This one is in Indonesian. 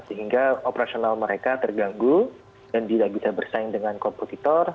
sehingga operasional mereka terganggu dan tidak bisa bersaing dengan komputer